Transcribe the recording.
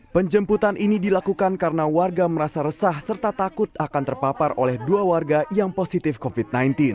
penjemputan ini dilakukan karena warga merasa resah serta takut akan terpapar oleh dua warga yang positif covid sembilan belas